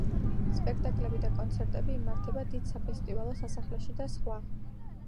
სპექტაკლები და კონცერტები იმართება დიდ საფესტივალო სასახლეში და სხვა.